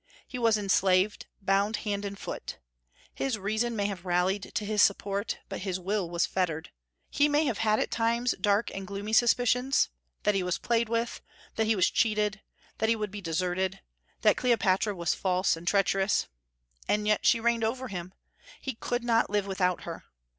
He was enslaved, bound hand and foot. His reason may have rallied to his support, but his will was fettered. He may have had at times dark and gloomy suspicions, that he was played with, that he was cheated, that he would be deserted, that Cleopatra was false and treacherous. And yet she reigned over him; he could not live without her.